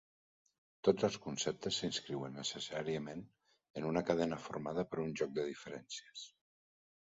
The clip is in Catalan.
Tots els conceptes s’inscriuen necessàriament en una cadena formada per un joc de diferències.